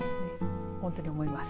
本当に思います。